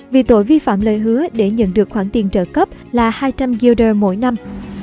vì tội vi phạm lời hứa để nhận được khoản tiền trợ cấp là hai trăm linh wer mỗi năm